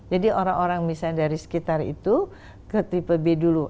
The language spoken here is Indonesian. jadi orang orang misalnya dari sekitar itu ke tipe b dulu